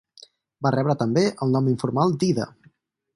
Va rebre també el nom informal d'Ida.